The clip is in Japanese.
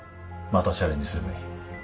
またチャレンジすればいい